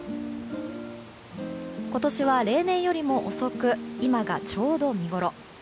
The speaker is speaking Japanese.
今年は例年よりも遅く今が、ちょうど見ごろ。